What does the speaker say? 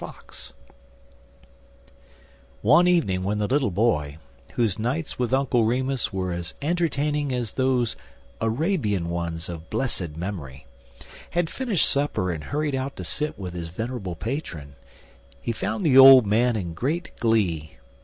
FOX ONE evening when the little boy, whose nights with Uncle Remus were as entertaining as those Arabian ones of blessed memory, had finished supper and hurried out to sit with his venerable patron, he found the old man in great glee.